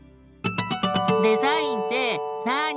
「デザインってなに？」。